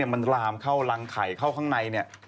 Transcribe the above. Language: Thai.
มันลามเข้ารังไขกล้ามมาในเนี่ย